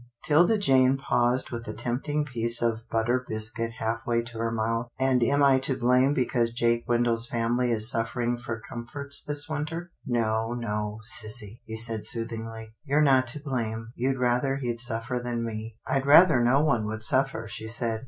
'Tilda Jane paused with a tempting piece of but tered biscuit half way to her mouth. " And am I to blame because Jake Wendell's family is suffer ing for comforts this winter? "" No, no, sissy," he said soothingly. " You're not to blame. You'd rather he'd suffer than me." " I'd rather no one would suffer," she said.